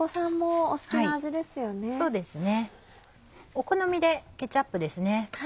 お好みでケチャップですね。